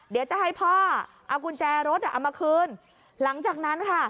เดี๋ยวจะให้พ่อเอากุญแจรถเอามาคืนหลังจากนั้นค่ะ